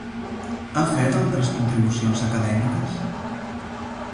Ha fet altres contribucions acadèmiques?